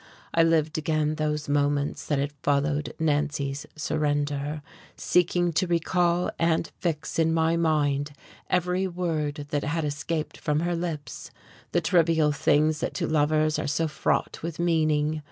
I lived again those moments that had followed Nancy's surrender, seeking to recall and fix in my mind every word that had escaped from her lips the trivial things that to lovers are so fraught with meaning.